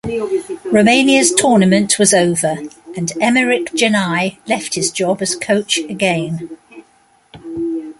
Romania's tournament was over and Emerich Jenei left his job as coach again.